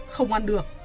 không ăn được